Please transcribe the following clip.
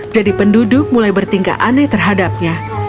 jadi penduduk mulai bertingkah aneh terhadapnya